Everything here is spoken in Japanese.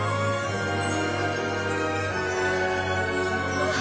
あっ。